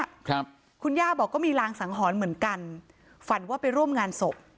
ครับคุณย่าบอกก็มีรางสังหรณ์เหมือนกันฝันว่าไปร่วมงานศพ